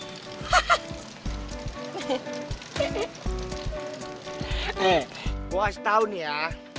nih gue kasih tau nih ya